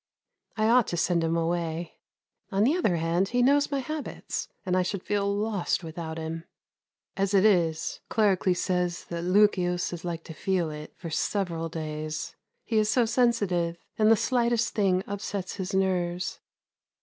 I ought to send him away; on the other hand, he knows my habits, and I should feel lost without him. As it is, Claricles says that Lucius is likely to feel it for several days. He is so sensitive and the slightest thing upsets his nerves.